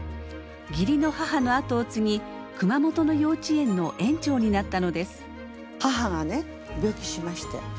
義理の母の跡を継ぎ熊本の幼稚園の園長になったのです。